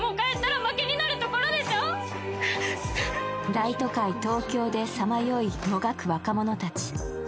大都会・東京で、さまよい、もがく若者たち。